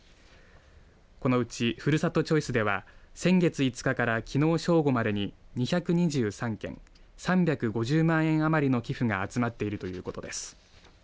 このうち、ふるさとチョイスでは先月５日からきのう正午までに２２３件３５０万円余りの寄付が集まっているということです。